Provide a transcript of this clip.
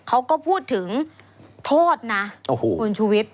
เขาก็พูดถึงโทษนะภูมิชีวิต